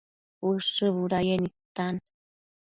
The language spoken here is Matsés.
Ushë budayec nidtan